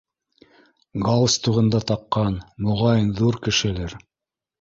Галстугын да таҡҡан, моғайын, ҙур кешелер.